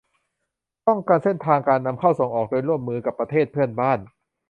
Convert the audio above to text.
ป้องกันเส้นทางการนำเข้าส่งออกโดยร่วมมือกับประเทศเพื่อนบ้าน